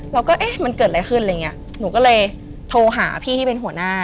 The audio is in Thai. ว่าเอ๊ะมันเกิดอะไรขึ้นอะไรอย่างเงี้ยหนูก็เลยโทรหาพี่ที่เป็นหัวหน้า